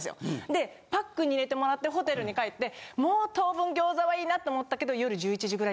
でパックに入れてもらってホテルに帰ってもう当分餃子はいいなと思ったけど。